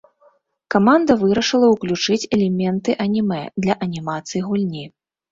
Каманда вырашыла ўключыць элементы анімэ для анімацыі гульні.